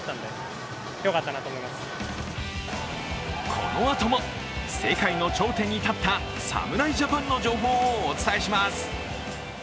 このあとも、世界の頂点に立った侍ジャパンの情報をお伝えします。